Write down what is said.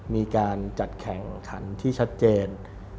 มีการจัดแข่งขันที่ชัดเจน